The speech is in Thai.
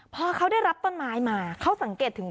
พอเขาได้รับต้นไม้มาเขาสังเกตถึง